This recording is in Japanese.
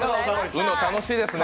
ウノ、楽しいですね。